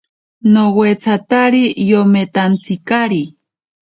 Nowetsatari yometantsikari.